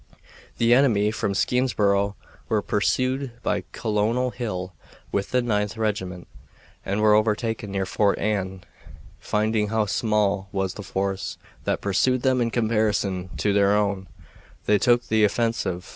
The enemy from Skenesborough were pursued by Colonel Hill, with the Ninth Regiment, and were overtaken near Fort Anne. Finding how small was the force that pursued them in comparison to their own, they took the offensive.